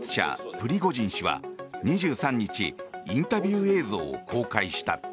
プリゴジン氏は２３日インタビュー映像を公開した。